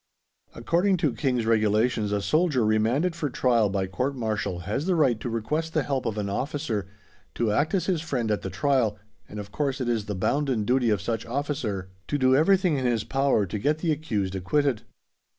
According to King's Regulations, a soldier remanded for trial by Court Martial has the right to request the help of an officer to act as his friend at the trial, and, of course, it is the bounden duty of such officer to do everything in his power to get the accused acquitted.